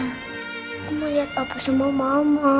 aku mau liat apa sama mama